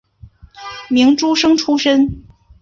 明诸生出身。